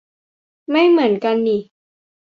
ไม่เหมือนกันนิ